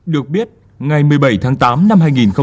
được biết ngày một mươi một tháng năm hà tĩnh đã được xử lý